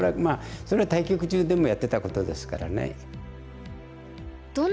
それは対局中でもやってたことですからね。